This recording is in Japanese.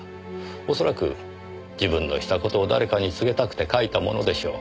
恐らく自分のした事を誰かに告げたくて書いたものでしょう。